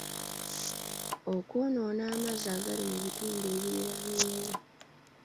Okwonoona amazzi agali mu bitundu ebiriraanyeewo.